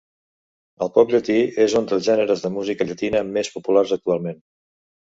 El pop llatí és un dels gèneres de música llatina més populars actualment.